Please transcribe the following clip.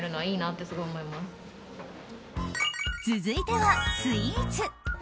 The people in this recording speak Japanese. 続いてはスイーツ。